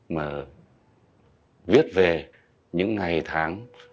mà viết về những ngày tháng